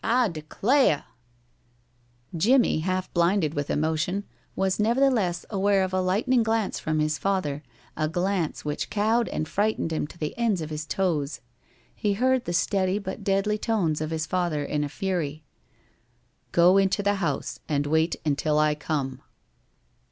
I declayah " Jimmie, half blinded with emotion, was nevertheless aware of a lightning glance from his father, a glance which cowed and frightened him to the ends of his toes. He heard the steady but deadly tones of his father in a fury: "Go into the house and wait until I come."